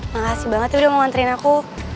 makasih banget ya udah mau nganterin aku